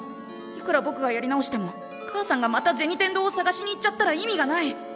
いくらぼくがやり直しても母さんがまた銭天堂を探しに行っちゃったら意味がない。